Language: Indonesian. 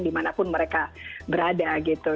dimanapun mereka berada gitu